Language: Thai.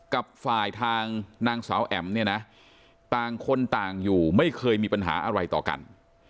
กับฝ่ายทางนางสาวแอ๋มเนี่ยนะต่างคนต่างอยู่ไม่เคยมีปัญหาอะไรต่อกัน